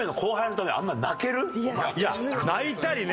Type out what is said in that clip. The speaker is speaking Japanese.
だっていや泣いたりね